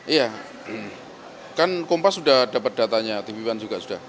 iya kan kompas sudah dapat datanya tv one juga sudah